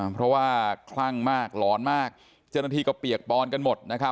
เพราะว่าคลั่งมากหลอนมากเจ้าหน้าที่ก็เปียกปอนกันหมดนะครับ